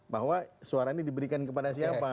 bahwa suara ini diberikan kepada siapa